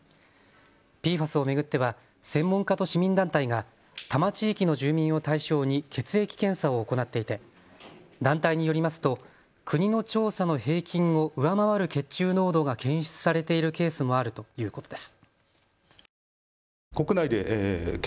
ＰＦＡＳを巡っては専門家と市民団体が多摩地域の住民を対象に血液検査を行っていて団体によりますと国の調査の平均を上回る血中濃度が検出されているケースもあるということです。